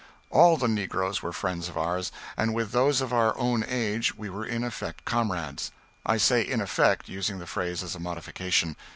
All the negroes were friends of ours, and with those of our own age we were in effect comrades. I say in effect, using the phrase as a modification.